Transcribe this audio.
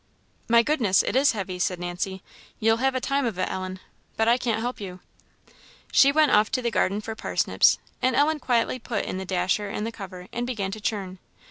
"My goodness! it is heavy," said Nancy. "You'll have a time of it, Ellen; but I can't help you." She went off to the garden for parsnips, and Ellen quietly put in the dasher and the cover, and began to churn.